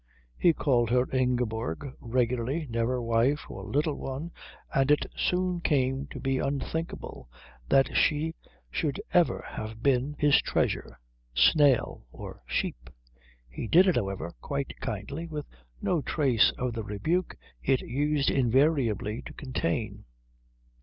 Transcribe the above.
He called her Ingeborg regularly, never wife or Little One, and it soon came to be unthinkable that she should ever have been his treasure, snail, or sheep. He did it, however, quite kindly, with no trace of the rebuke it used invariably to contain.